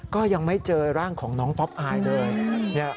ก็ยังไม่เจอร่างของน้องป๊อปอายเลย